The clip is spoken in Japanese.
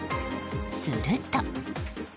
すると。